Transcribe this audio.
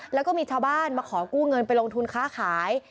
แล้วก็มีชาวบ้านมาขอกู้เงินไปลงทุนค้าขาย